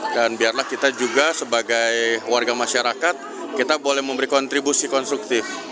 dan biarlah kita juga sebagai warga masyarakat kita boleh memberi kontribusi konstruktif